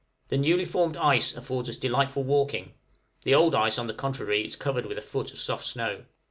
The newly formed ice affords us delightful walking; the old ice on the contrary is covered with a foot of soft snow.